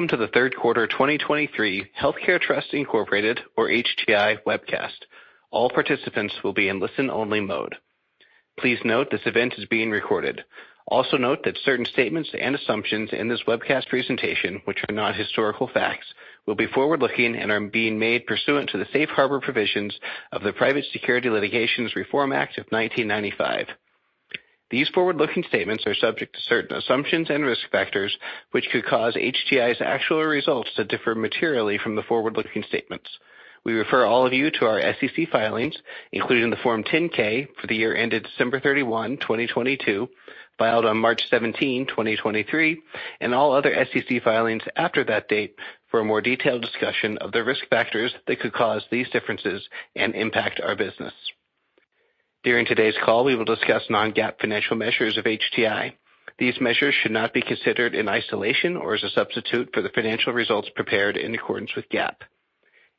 Welcome to the third quarter 2023 Healthcare Trust, Inc., or HTI, webcast. All participants will be in listen-only mode. Please note this event is being recorded. Also note that certain statements and assumptions in this webcast presentation, which are not historical facts, will be forward-looking and are being made pursuant to the safe harbor provisions of the Private Securities Litigation Reform Act of 1995. These forward-looking statements are subject to certain assumptions and risk factors, which could cause HTI's actual results to differ materially from the forward-looking statements. We refer all of you to our SEC filings, including the Form 10-K for the year ended December 31, 2022, filed on March 17, 2023, and all other SEC filings after that date for a more detailed discussion of the risk factors that could cause these differences and impact our business. During today's call, we will discuss non-GAAP financial measures of HTI. These measures should not be considered in isolation or as a substitute for the financial results prepared in accordance with GAAP.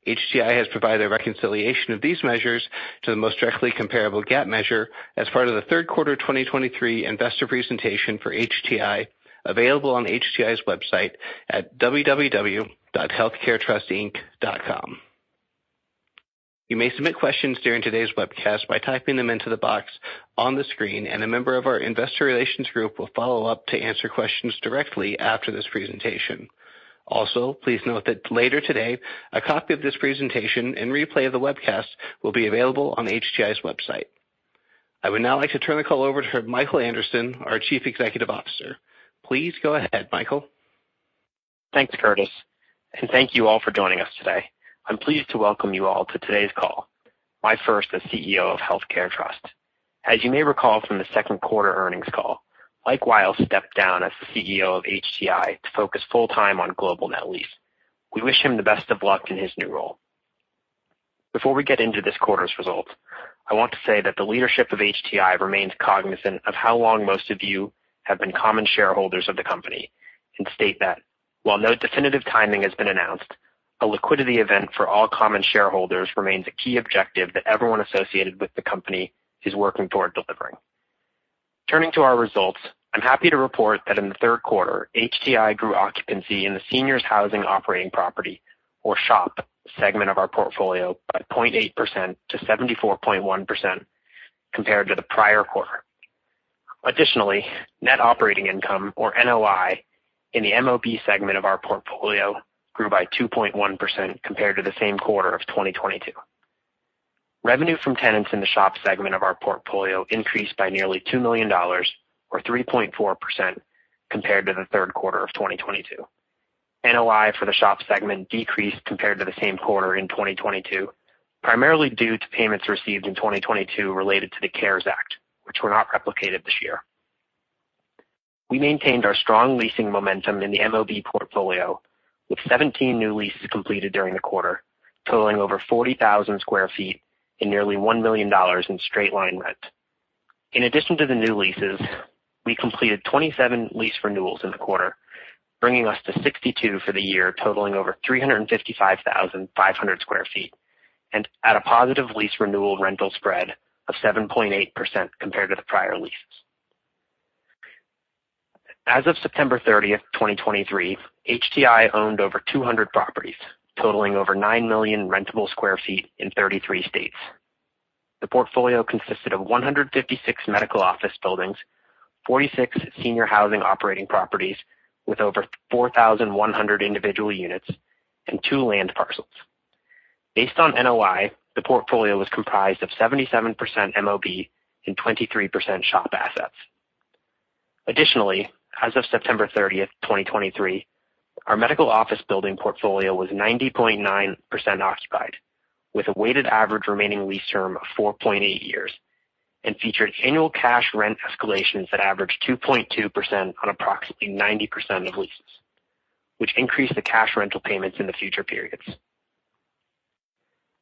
HTI has provided a reconciliation of these measures to the most directly comparable GAAP measure as part of the third quarter 2023 investor presentation for HTI, available on HTI's website at www.healthcaretrustinc.com. You may submit questions during today's webcast by typing them into the box on the screen, and a member of our investor relations group will follow up to answer questions directly after this presentation. Please note that later today, a copy of this presentation and replay of the webcast will be available on HTI's website. I would now like to turn the call over to Michael Anderson, our Chief Executive Officer. Please go ahead, Michael. Thanks, Curtis, and thank you all for joining us today. I'm pleased to welcome you all to today's call, my first as CEO of Healthcare Trust. As you may recall from the second quarter earnings call, Mike Weil stepped down as the CEO of HTI to focus full time on Global Net Lease. We wish him the best of luck in his new role. Before we get into this quarter's results, I want to say that the leadership of HTI remains cognizant of how long most of you have been common shareholders of the company and state that while no definitive timing has been announced, a liquidity event for all common shareholders remains a key objective that everyone associated with the company is working toward delivering. Turning to our results, I'm happy to report that in the third quarter, HTI grew occupancy in the seniors housing operating property, or SHOP segment of our portfolio by 0.8%-4.1% compared to the prior quarter. Additionally, net operating income, or NOI, in the MOB segment of our portfolio grew by 2.1% compared to the same quarter of 2022. Revenue from tenants in the SHOP segment of our portfolio increased by nearly $2 million, or 3.4%, compared to the third quarter of 2022. NOI for the SHOP segment decreased compared to the same quarter in 2022, primarily due to payments received in 2022 related to the CARES Act, which were not replicated this year. We maintained our strong leasing momentum in the MOB portfolio with 17 new leases completed during the quarter, totaling over 40,000 sq ft and nearly $1 million in straight line rent. In addition to the new leases, we completed 27 lease renewals in the quarter, bringing us to 62 for the year, totaling over 355,500 sq ft and at a positive lease renewal rental spread of 7.8% compared to the prior leases. As of September 30th, 2023, HTI owned over 200 properties, totaling over 9 million rentable square feet in 33 states. The portfolio consisted of 156 medical office buildings, 46 senior housing operating properties with over 4,100 individual units, and two land parcels. Based on NOI, the portfolio was comprised of 77% MOB and 23% SHOP assets. Additionally, as of September 30th, 2023, our medical office building portfolio was 90.9% occupied with a weighted average remaining lease term of 4.8 years and featured annual cash rent escalations that averaged 2.2% on approximately 90% of leases, which increased the cash rental payments in the future periods.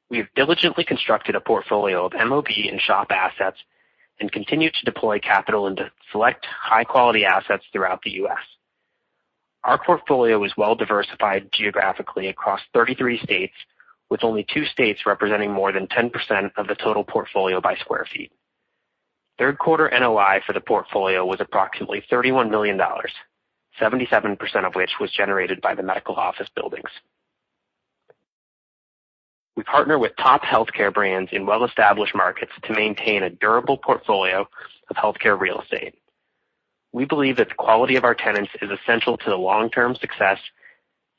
We have diligently constructed a portfolio of MOB and SHOP assets and continue to deploy capital into select high-quality assets throughout the U.S. Our portfolio is well diversified geographically across 33 states, with only two states representing more than 10% of the total portfolio by sq ft. Third quarter NOI for the portfolio was approximately $31 million, 77% of which was generated by the medical office buildings. We partner with top healthcare brands in well-established markets to maintain a durable portfolio of healthcare real estate. We believe that the quality of our tenants is essential to the long-term success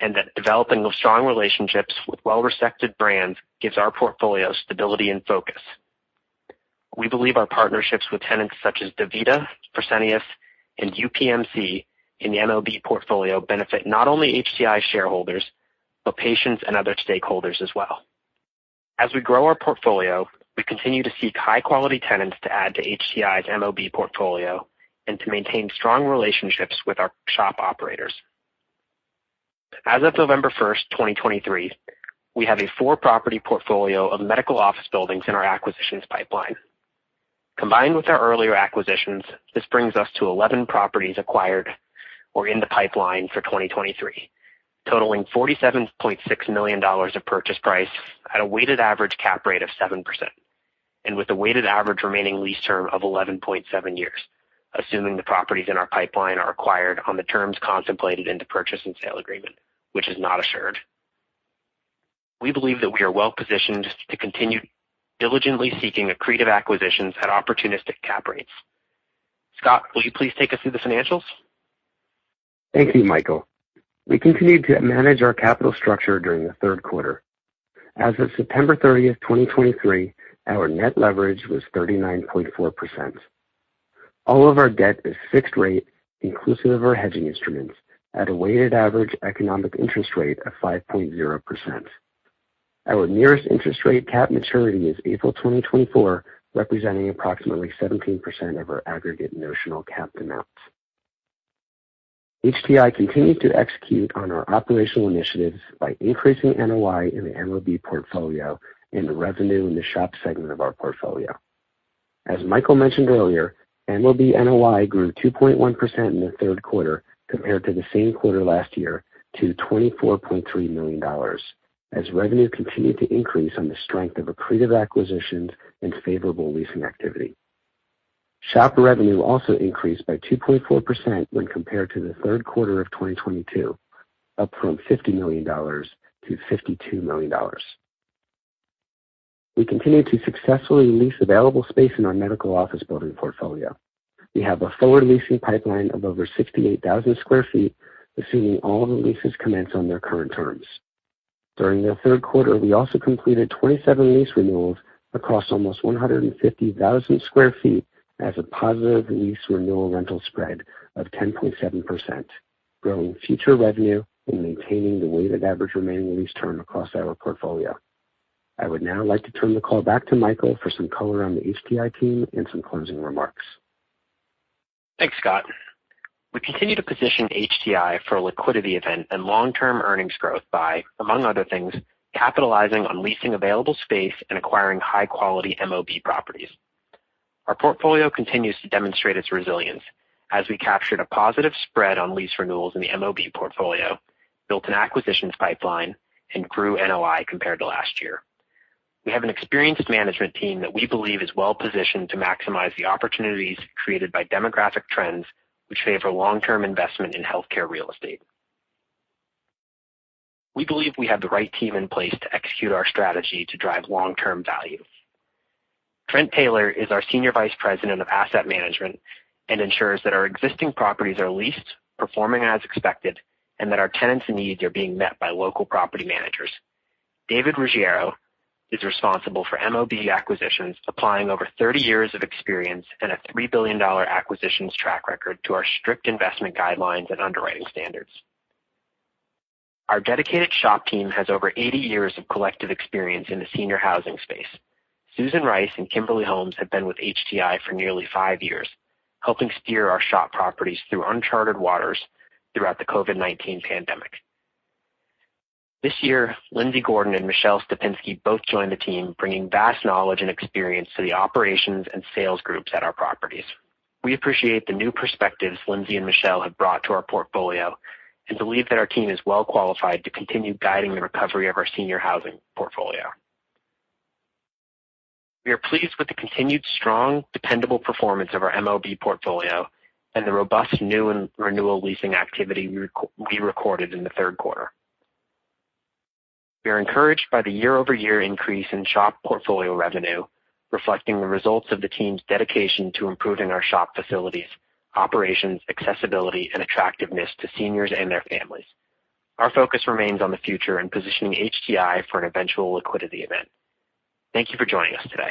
and that developing those strong relationships with well-respected brands gives our portfolio stability and focus. We believe our partnerships with tenants such as DaVita, Fresenius, and UPMC in the MOB portfolio benefit not only HTI shareholders, but patients and other stakeholders as well. As we grow our portfolio, we continue to seek high-quality tenants to add to HTI's MOB portfolio and to maintain strong relationships with our SHOP operators. As of November 1st, 2023, we have a four-property portfolio of medical office buildings in our acquisitions pipeline. Combined with our earlier acquisitions, this brings us to 11 properties acquired or in the pipeline for 2023, totaling $47.6 million of purchase price at a weighted average cap rate of 7%. With a weighted average remaining lease term of 11.7 years, assuming the properties in our pipeline are acquired on the terms contemplated in the purchase and sale agreement, which is not assured. We believe that we are well-positioned to continue diligently seeking accretive acquisitions at opportunistic cap rates. Scott, will you please take us through the financials? Thank you, Michael. We continued to manage our capital structure during the third quarter. As of September 30th, 2023, our net leverage was 39.4%. All of our debt is fixed rate, inclusive of our hedging instruments, at a weighted average economic interest rate of 5.0%. Our nearest interest rate cap maturity is April 2024, representing approximately 17% of our aggregate notional capped amounts. HTI continued to execute on our operational initiatives by increasing NOI in the MOB portfolio and the revenue in the SHOP segment of our portfolio. As Michael mentioned earlier, MOB NOI grew 2.1% in the third quarter compared to the same quarter last year, to $24.3 million, as revenue continued to increase on the strength of accretive acquisitions and favorable leasing activity. SHOP revenue also increased by 2.4% when compared to the third quarter of 2022, up from $50 million-$52 million. We continued to successfully lease available space in our medical office building portfolio. We have a forward leasing pipeline of over 68,000 sq ft, assuming all the leases commence on their current terms. During the third quarter, we also completed 27 lease renewals across almost 150,000 sq ft as a positive lease renewal rental spread of 10.7%, growing future revenue and maintaining the weighted average remaining lease term across our portfolio. I would now like to turn the call back to Michael for some color on the HTI team and some closing remarks. Thanks, Scott. We continue to position HTI for a liquidity event and long-term earnings growth by, among other things, capitalizing on leasing available space and acquiring high-quality MOB properties. Our portfolio continues to demonstrate its resilience as we captured a positive spread on lease renewals in the MOB portfolio, built an acquisitions pipeline, and grew NOI compared to last year. We have an experienced management team that we believe is well-positioned to maximize the opportunities created by demographic trends which favor long-term investment in healthcare real estate. We believe we have the right team in place to execute our strategy to drive long-term value. Trent Taylor is our Senior Vice President of asset management and ensures that our existing properties are leased, performing as expected, and that our tenants' needs are being met by local property managers. David Ruggiero is responsible for MOB acquisitions, applying over 30 years of experience and a $3 billion acquisitions track record to our strict investment guidelines and underwriting standards. Our dedicated SHOP team has over 80 years of collective experience in the senior housing space. Susan Rice and Kimberly Holmes have been with HTI for nearly five years, helping steer our SHOP properties through unchartered waters throughout the COVID-19 pandemic. This year, Lindsay Gordon and Michelle Stepinsky both joined the team, bringing vast knowledge and experience to the operations and sales groups at our properties. We appreciate the new perspectives Lindsay and Michelle have brought to our portfolio and believe that our team is well-qualified to continue guiding the recovery of our senior housing portfolio. We are pleased with the continued strong, dependable performance of our MOB portfolio and the robust new and renewal leasing activity we recorded in the third quarter. We are encouraged by the year-over-year increase in SHOP portfolio revenue, reflecting the results of the team's dedication to improving our SHOP facilities, operations, accessibility, and attractiveness to seniors and their families. Our focus remains on the future and positioning HTI for an eventual liquidity event. Thank you for joining us today.